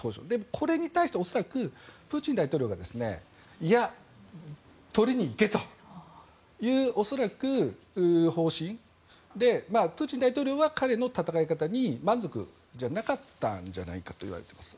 これに対して恐らくプーチン大統領がいや、取りに行けという方針でプーチン大統領は彼の戦い方に満足じゃなかったんじゃないかと言われています。